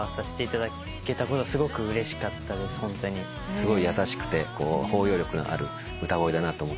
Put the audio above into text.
すごい優しくて包容力のある歌声だなと思って。